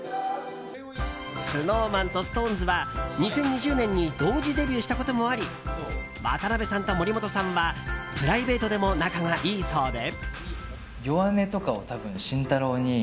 ＳｎｏｗＭａｎとＳｉｘＴＯＮＥＳは２０２０年に同時デビューしたこともあり渡辺さんと森本さんはプライベートでも仲がいいそうで。